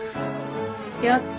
やった。